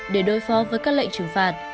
để đối phó với các lệnh trừng phạt